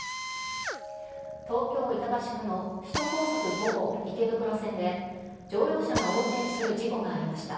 東京・板橋区の首都高速５号池袋線で、乗用車が横転する事故がありました。